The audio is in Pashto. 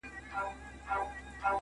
ستا هم د پزي په افسر كي جـادو,